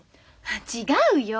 違うよ！